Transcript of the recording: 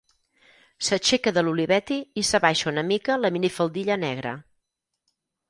S'aixeca de l'Olivetti i s'abaixa una mica la minifaldilla negra.